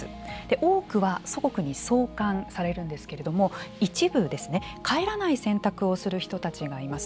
多くは祖国に送還されるんですけれども一部、帰らない選択をする人たちがいます。